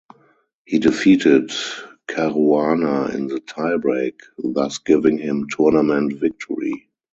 He defeated Caruana in the tiebreak, thus giving him tournament victory.